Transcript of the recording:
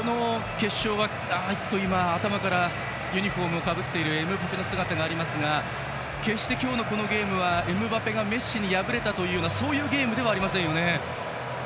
今、頭からユニフォームをかぶったエムバペの姿がありましたが決して今日のゲームはエムバペがメッシに敗れたというそういうゲームではありませんよね。